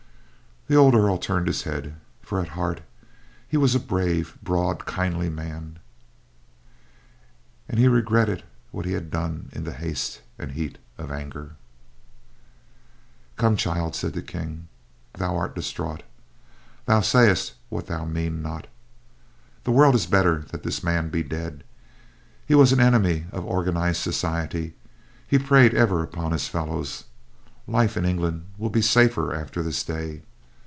The old Earl turned his head, for at heart he was a brave, broad, kindly man, and he regretted what he had done in the haste and heat of anger. "Come, child," said the King, "thou art distraught; thou sayest what thou mean not. The world is better that this man be dead. He was an enemy of organized society, he preyed ever upon his fellows. Life in England will be safer after this day.